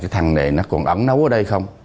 thằng này nó còn ẩn nấu ở đây không